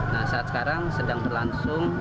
nah saat sekarang sedang berlangsung